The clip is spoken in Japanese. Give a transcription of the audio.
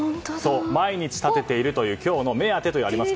毎日立てているという今日のめあてとあります。